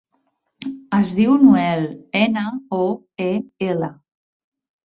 Es diu Noel: ena, o, e, ela.